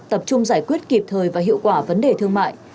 tập trung giải quyết kịp thời và hiệu quả vấn đề thương mại